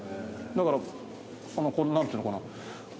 だからこのなんていうのかな。